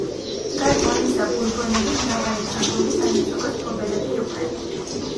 გარდა ამისა ბურბონები მრავალი ფრანგული საჰერცოგოს მფლობელები იყვნენ.